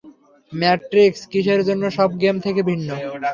Matrix কিসের জন্য সব গেম থেকে ভিন্ন?